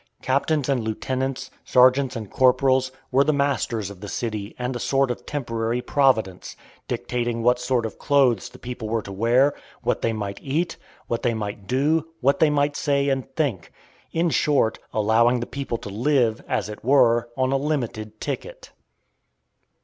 Captains and lieutenants, sergeants and corporals, were the masters of the city and a sort of temporary Providence, dictating what sort of clothes the people were to wear, what they might eat, what they might do, what they might say and think; in short, allowing the people to live, as it were, on a "limited" ticket.